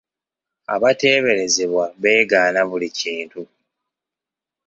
Abateeberezebwa beegaana buli kintu.